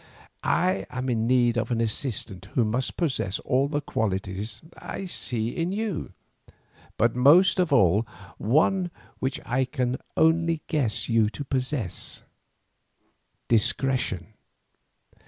I am in need of an assistant who must possess all the qualities that I see in you, but most of all one which I can only guess you to possess—discretion.